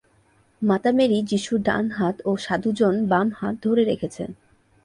মাতা মেরি যিশুর ডান হাত এবং সাধু জন বাম হাত ধরে রেখেছেন।